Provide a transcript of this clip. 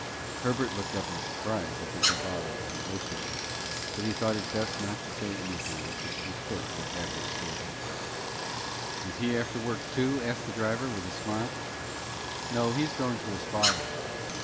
Herbert looked up in surprise at this avowal of relationship, but he thought it best not to say anything that would conflict with Abner's statement. "Is he after work, too?" asked the driver, with a smile. "No; he's goin' to his father."